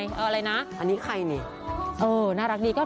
อันนี้ใครอ่ะอันนี้ใครนี่น่ารักดี